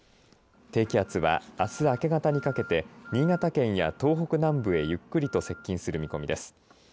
低気圧はあす明け方にかけて新潟県や東北南部へゆっくりと接近する見込みです。